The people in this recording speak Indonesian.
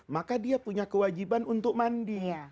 maka dia punya kewajiban untuk mandi